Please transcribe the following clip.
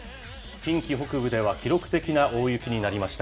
近畿北部では記録的な大雪になりました。